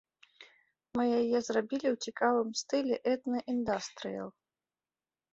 Мы яе зрабілі ў цікавым стылі этна-індастрыел.